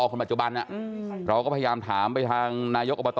คนปัจจุบันเราก็พยายามถามไปทางนายกอบต